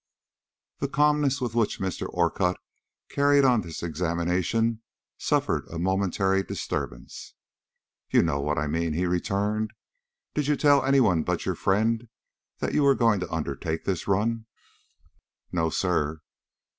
The calmness with which Mr. Orcutt carried on this examination suffered a momentary disturbance. "You know what I mean," he returned. "Did you tell any one but your friend that you were going to undertake this run?" "No, sir."